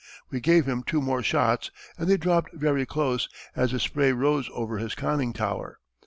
We gave him two more shots and they dropped very close, as the spray rose over his conning tower.